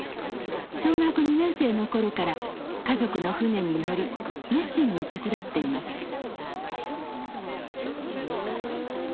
小学２年生の頃から家族の船に乗り熱心に手伝っています。